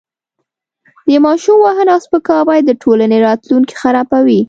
د ماشوم وهنه او سپکاوی د ټولنې راتلونکی خرابوي.